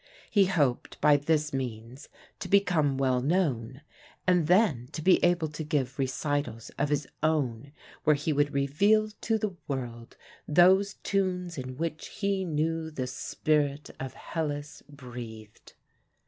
He hoped by this means to become well known, and then to be able to give recitals of his own where he would reveal to the world those tunes in which he knew the spirit of Hellas breathed.